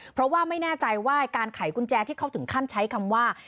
เพราะว่าไม่แน่ใจว่าการไขกุญแจที่เขาถึงขั้นใช้คำว่า